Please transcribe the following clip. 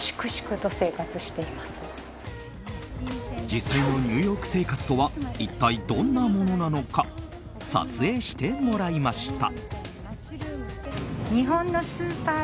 実際のニューヨーク生活とは一体どんなものなのか撮影してもらいました。